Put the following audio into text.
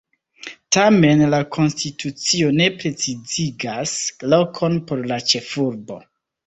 Tamen, la konstitucio ne precizigas lokon por la ĉefurbo.